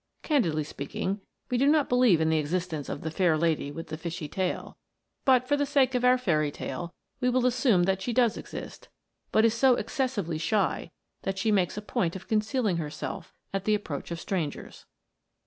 Candidly speak ing, we do not believe in the existence of the fair lady with the fishy tail; but for the sake of our fairy tale, we will assume that she does exist, but is so excessively shy that she makes a point of con cealing herself at the approach of strangers.